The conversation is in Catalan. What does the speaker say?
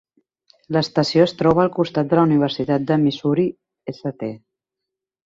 L'estació es troba al costat de la Universitat de Missouri-St.